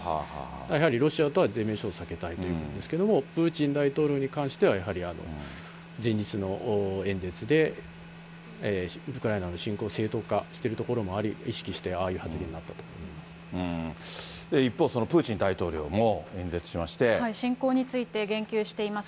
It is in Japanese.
やはりロシアとは全面衝突を避けたいということですけれども、プーチン大統領に関しては、やはり前日の演説で、ウクライナの侵攻正当化しているところもあり、意識してああいう一方、プーチン大統領も演説侵攻について言及しています。